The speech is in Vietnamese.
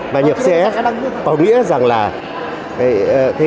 và nhập cif có nghĩa rằng là